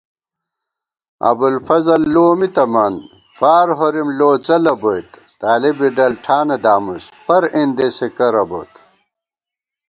ابُوالفضل لو می تَمان، فار ہورِم لوڅَلَہ بوئیت * طالِبےڈلٹھانہ دامُس پر اېندېسےکرہ بوت